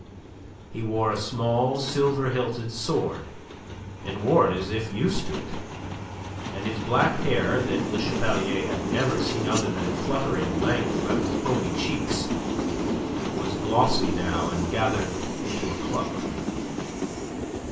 He wore a small silver hilted sword, and wore it as if used to it, and his black hair that Le Chapelier had never seen other than fluttering lank about his bony cheeks was glossy now and gathered into a club.